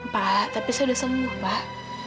pak tapi saya sudah sembuh pak